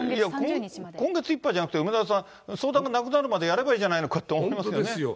今月いっぱいじゃなくて、梅沢さん、相談がなくなるまでやればいいじゃないのかそうですよ。